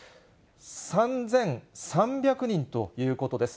３３００人ということです。